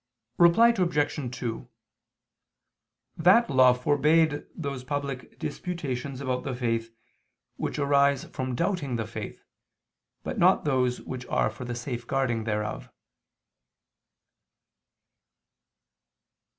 Reply Obj. 2: That law forbade those public disputations about the faith, which arise from doubting the faith, but not those which are for the safeguarding thereof.